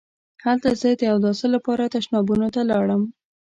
هلته زه د اوداسه لپاره تشنابونو ته لاړم.